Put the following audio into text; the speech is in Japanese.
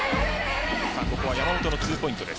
ここは山本のツーポイントです。